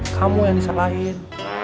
kamu yang disalahin